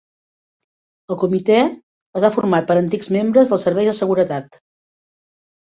El comitè està format per antics membres dels serveis de seguretat.